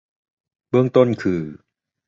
เบื้องต้นคือ